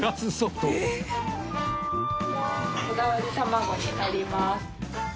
こだわり卵になります。